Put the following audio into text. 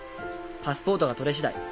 パスポートが取れ次第。